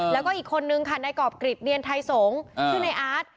แล้วก็อีกคนนึงค่ะในกรอบกริจเนียนไทยสงศ์ชื่อในอาร์ต